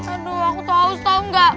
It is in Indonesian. aduh aku tuh haus tau gak